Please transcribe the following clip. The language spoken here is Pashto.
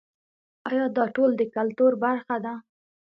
آیا دا ټول د کلتور برخه ده؟